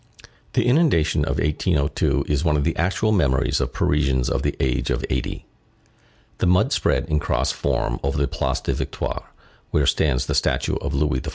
The inundation of 1802 is one of the actual memories of Parisians of the age of eighty. The mud spread in cross form over the Place des Victoires, where stands the statue of Louis XIV.